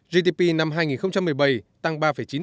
gdp năm hai nghìn một mươi bảy tăng ba chín